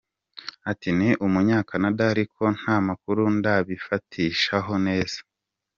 Ati “Ni Umunya-Canada ariko nta makuru ndabifatishaho neza.